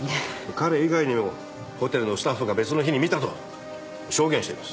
彼以外にもホテルのスタッフが別の日に見たと証言しています。